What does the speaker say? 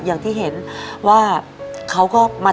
อย่างที่เห็นว่าเขาก็ไม่มีอะไร